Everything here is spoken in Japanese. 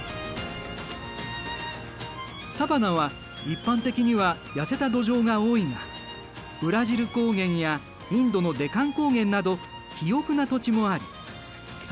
サバナは一般的にはやせた土壌が多いがブラジル高原やインドのデカン高原など肥沃な土地もありさ